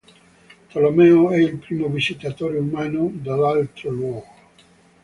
Tolomeo è il primo visitatore umano dell'Altro Luogo.